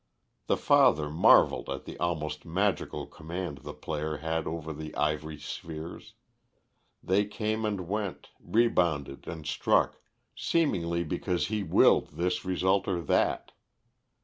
The father marvelled at the almost magical command the player had over the ivory spheres. They came and went, rebounded and struck, seemingly because he willed this result or that.